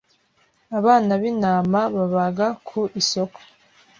Abana b'intama babaga ku isoko.